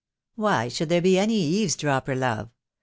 "Why should there be any eavesdropper, love?